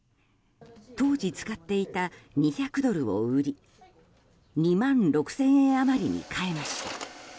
当時使っていた２００ドルを売り２万６０００円余りに替えました。